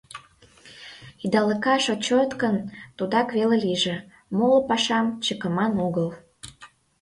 Идалыкаш отчёт гын, тудак веле лийже, моло пашам чыкыман огыл.